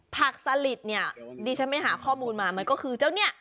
สลิดเนี่ยดิฉันไปหาข้อมูลมามันก็คือเจ้าเนี่ย